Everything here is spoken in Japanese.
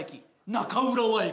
中浦和駅！？